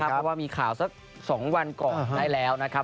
เพราะว่ามีข่าวสัก๒วันก่อนได้แล้วนะครับ